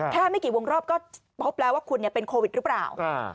ไม่กี่วงรอบก็พบแล้วว่าคุณเป็นโควิดหรือเปล่า